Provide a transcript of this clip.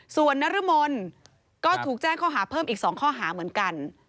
ส่วนนรมนก็ถูกแจ้งข้อหาเพิ่มอีก๒ข้อหาเหมือนกัน